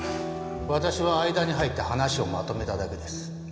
私は間に入って話をまとめただけです。